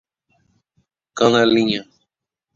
Canelinha